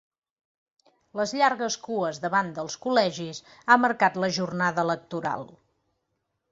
Les llargues cues davant dels col·legis ha marcat la jornada electoral.